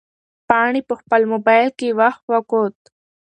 پاڼې په خپل موبایل کې وخت وکوت.